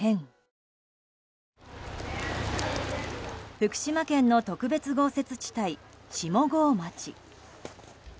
福島県の特別豪雪地帯下郷町。